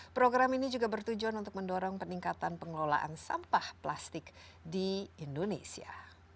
program ini juga bertujuan untuk mendorong peningkatan pengelolaan sampah plastik di indonesia